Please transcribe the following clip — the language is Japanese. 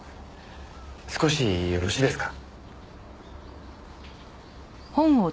少しよろしいですか？